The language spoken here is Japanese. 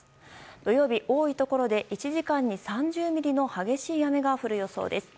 土曜日、多いところで１時間に３０ミリの激しい雨が降る予想です。